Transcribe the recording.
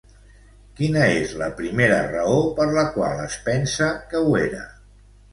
Quina és la primera raó per la qual es pensa que ho era?